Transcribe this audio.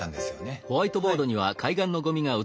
はい。